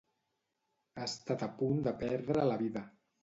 Ha estat a punt de perdre la vida.